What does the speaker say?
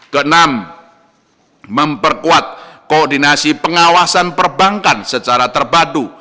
kenam memperkuat koordinasi pengawasan perbankan secara terbadu